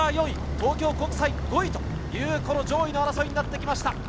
東京国際５位という上位の争いになってきました。